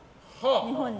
日本に。